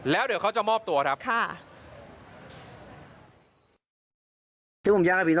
แล้วเดี๋ยวเขาจะมอบตัวครับ